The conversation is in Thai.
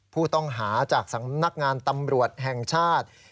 ผู้ต้องหาจากสำนักงานตำรวจแห่งชาติ